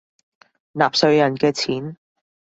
納稅人嘅錢